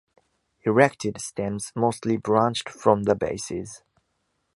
Erected stems, mostly branched from the bases.